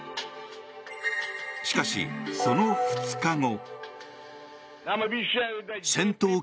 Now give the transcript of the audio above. しかし、その２日後。